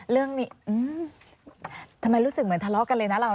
เรื่องนี้ทำไมรู้สึกเหมือนทะเลาะกันเลยนะเรา